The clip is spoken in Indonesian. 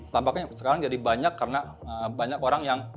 tampaknya sekarang jadi banyak karena banyak orang yang